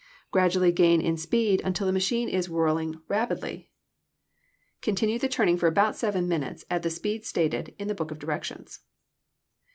Gradually gain in speed until the machine is whirled rapidly. Continue the turning for about seven minutes at the speed stated in the book of directions.